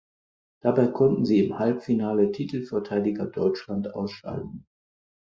Dabei konnten sie im Halbfinale Titelverteidiger Deutschland ausschalten.